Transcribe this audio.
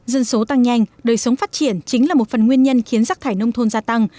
dân số tăng nhanh đời sống phát triển chính là một phần nguyên nhân khiến rác thải nông thôn gia tăng